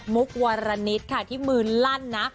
วารณิตค่ะที่มือลั่นนะ